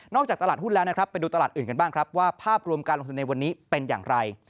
จากตลาดหุ้นแล้วนะครับไปดูตลาดอื่นกันบ้างครับว่าภาพรวมการลงทุนในวันนี้เป็นอย่างไร